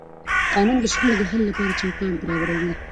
قانون د شخړو د حل لپاره چوکاټ برابروي.